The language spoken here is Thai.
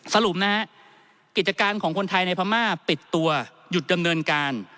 สรุปนะฮะกิจการของคนไทยในพม่าปิดตัวหยุดดำเนินการ